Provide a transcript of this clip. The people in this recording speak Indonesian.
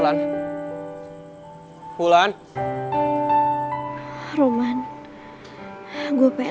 mas difficulties cushion ditambah notif dengan beraries